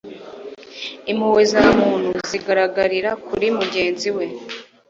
impuhwe za muntu zigaragarira kuri mugenzi we